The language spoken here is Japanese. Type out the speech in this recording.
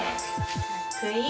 かっこいい！